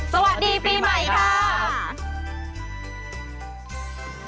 สวัสดีปีใหม่ค่ะ